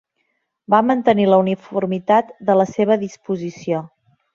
Va mantenir la uniformitat de la seva disposició...